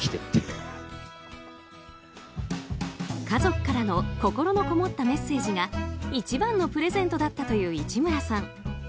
家族からの心のこもったメッセージが一番のプレゼントだったという市村さん。